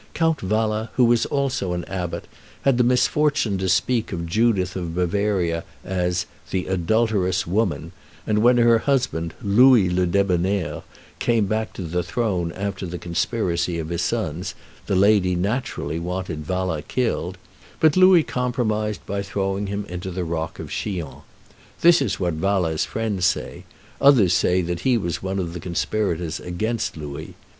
Count Wala, who was also an abbot, had the misfortune to speak of Judith of Bavaria as "the adulterous woman," and when her husband, Louis le Debonair, came back to the throne after the conspiracy of his sons, the lady naturally wanted Wala killed; but Louis compromised by throwing him into the rock of Chillon. This is what Wala's friends say: others say that he was one of the conspirators against Louis.